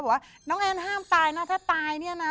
ว่าน้องแอนห้ามตายนะถ้าตายเนี่ยนะ